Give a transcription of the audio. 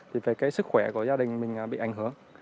thì về cái sức khỏe của gia đình mình bị ảnh hưởng